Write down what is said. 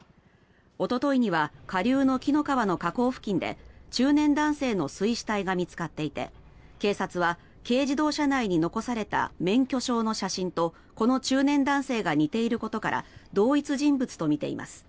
おとといには下流の紀の川の河口付近で中年男性の水死体が見つかっていて警察は軽自動車内に残された免許証の写真とこの中年男性が似ていることから同一人物とみています。